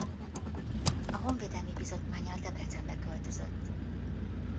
A Honvédelmi Bizottmánnyal Debrecenbe költözött.